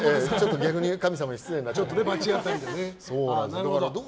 逆に神様に失礼になっちゃう。